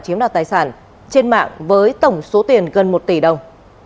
chiếm đoạt tài sản trên mạng với tổng số tiền gần một tỷ đồng